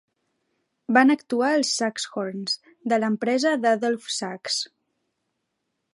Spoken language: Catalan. Van actuar en Saxhorns, de l'empresa d'Adolph Sax.